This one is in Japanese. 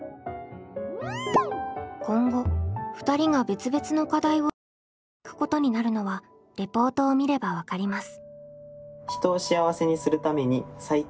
今後２人が別々の課題を探究していくことになるのはレポートを見れば分かります。